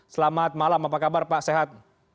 selamat malam apa kabar pak sehat